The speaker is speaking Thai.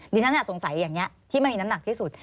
ฉันสงสัยอย่างนี้ที่มันมีน้ำหนักที่สุด